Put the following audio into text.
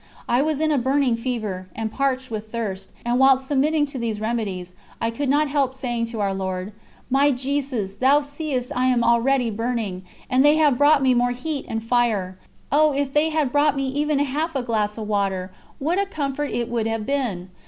I was in a burning fever, and parched with thirst, and, whilst submitting to these remedies, I could not help saying to Our Lord: 'My Jesus, Thou seest I am already burning, and they have brought me more heat and fire. Oh! if they had brought me even half a glass of water, what a comfort it would have been!